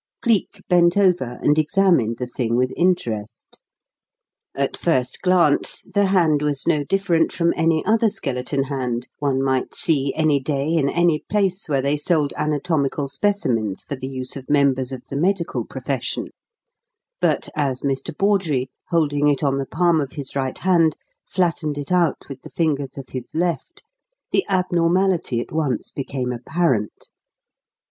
Cleek bent over and examined the thing with interest. At first glance, the hand was no different from any other skeleton hand one might see any day in any place where they sold anatomical specimens for the use of members of the medical profession; but as Mr. Bawdrey, holding it on the palm of his right hand, flattened it out with the fingers of his left, the abnormality at once became apparent.